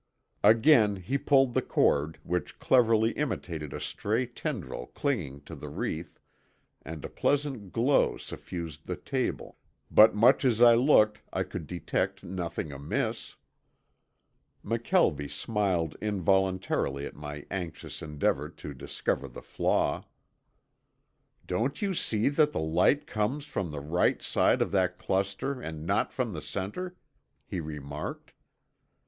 Again he pulled the cord which cleverly imitated a stray tendril clinging to the wreath, and a pleasant glow suffused the table, but much as I looked I could detect nothing amiss. McKelvie smiled involuntarily at my anxious endeavor to discover the flaw. "Don't you see that the light comes from the right side of that cluster and not from the center?" he remarked.